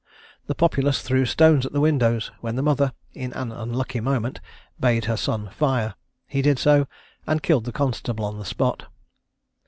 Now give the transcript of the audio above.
The populace threw stones at the windows, when the mother, in an unlucky moment, bade her son fire: he did so, and killed the constable on the spot.